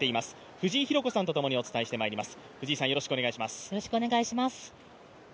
藤井寛子さんと共にお伝えしていきます。